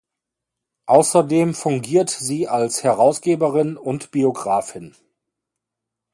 Außerdem fungiert sie als Herausgeberin und Biographin.